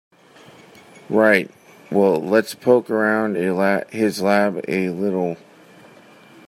Right, well let's poke around his lab a little.